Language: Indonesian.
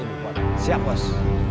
ibu kota siap bos